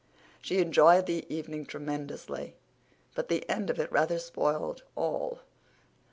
She enjoyed the evening tremendously, but the end of it rather spoiled all.